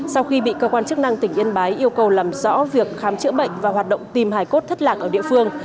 sau khi bị cơ quan chức năng tỉnh yên bái yêu cầu làm rõ việc khám chữa bệnh và hoạt động tìm hải cốt thất lạc ở địa phương